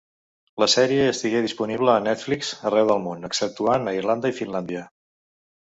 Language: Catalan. La sèrie estigué disponible a Netflix arreu del món, exceptuant a Irlanda i Finlàndia.